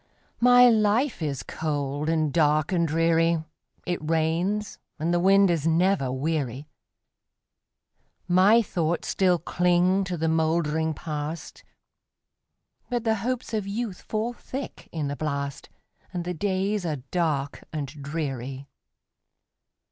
My life is cold, and dark, and dreary; It rains, and the wind is never weary; My thoughts still cling to the moldering Past, But the hopes of youth fall thick in the blast, And the days are dark and dreary.